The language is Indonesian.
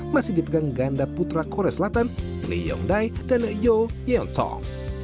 masih dipegang ganda putra korea selatan lee yong dai dan yeo yeonsong